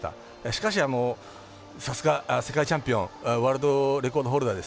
しかし、さすが世界チャンピオンワールドレコードホルダーですね。